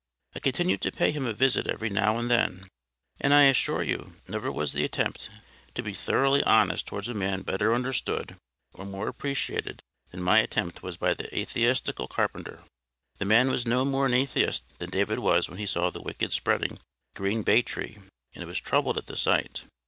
I continued to pay him a visit every now and then; and I assure you, never was the attempt to be thoroughly honest towards a man better understood or more appreciated than my attempt was by the ATHEISTICAL carpenter. The man was no more an atheist than David was when he saw the wicked spreading like a green bay tree, and was troubled at the sight.